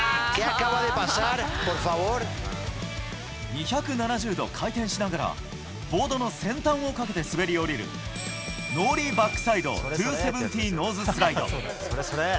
２７０度回転しながらボードの先端をかけて滑り降りるノーリーバックサイド２７０ノーズスライド。